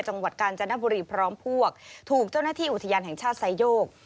จังหวัดกาญจนบุรีพร้อมพวกถูกเจ้าหน้าที่อุทยานแห่งชาติไซโยก